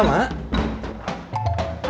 masih berani kamu